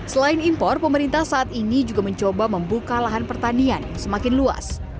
selain impor pemerintah saat ini juga mencoba membuka lahan pertanian yang semakin luas